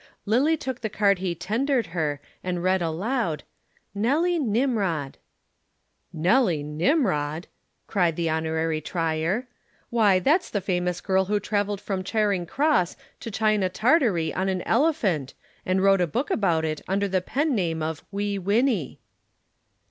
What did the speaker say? Lillie took the card he tendered her and read aloud: "Nelly Nimrod." "Nelly Nimrod!" cried the Honorary Trier. "Why, that's the famous girl who travelled from Charing Cross to China Tartary on an elephant and wrote a book about it under the pen name of Wee Winnie."